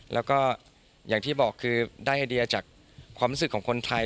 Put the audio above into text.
แล้วก็อย่างที่บอกคือได้ไอเดียจากความรู้สึกของคนไทย